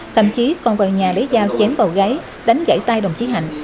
thậm chí còn vào nhà lấy dao chém vào gáy đánh gãy tay đồng chí hạnh